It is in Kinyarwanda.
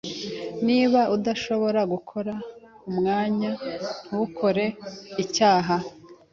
Niba udashobora gukora umwanya, ntukore icyaha.